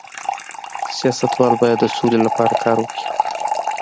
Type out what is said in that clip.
سیاستوال باید د سولې لپاره کار وکړي